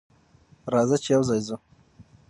راځه چې یوځای ځو.